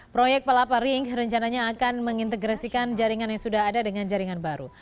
proyek pelapa ring rencananya akan mengintegrasikan jaringan yang sudah ada dengan jaringan baru